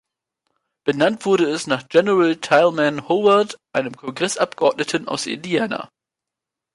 Benannt wurde es nach General Tilghman Howard, einem Kongressabgeordneten aus Indiana.